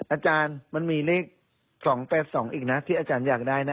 อาจารย์มันมีเลข๒๘๒อีกนะที่อาจารย์อยากได้นะ